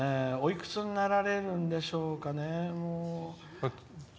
おいくつになられるんでしょうか。